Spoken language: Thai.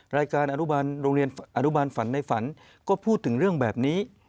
รายการอนุบาลโรงเรียนอนุบาลฝันในฝันก็พูดถึงเรื่องแบบนี้